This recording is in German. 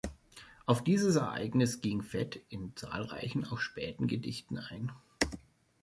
Auf dieses Ereignis ging Fet in zahlreichen, auch späten Gedichten ein.